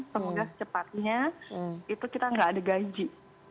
semoga secepatnya itu kita nggak ada gaji